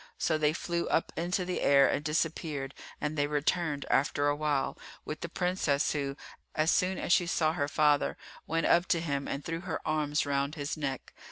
So they flew up into the air and disappeared and they returned after a while, with the Princess who, as soon as she saw her father, went up to him and threw her arms round his neck.